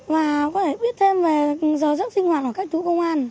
và có thể biết thêm về giờ giấc sinh hoạt của các chú công an